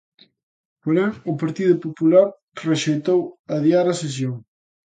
Porén, o Partido Popular rexeitou adiar a sesión.